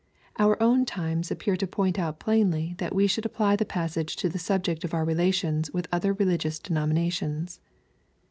Our own times appear to point out plainly that we should apply the passage to the subject of our relations with other religious denominations.